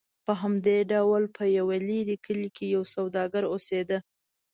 په همدې ډول په یو لرې کلي کې یو سوداګر اوسېده.